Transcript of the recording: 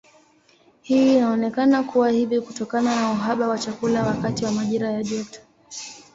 Hii inaonekana kuwa hivi kutokana na uhaba wa chakula wakati wa majira ya joto.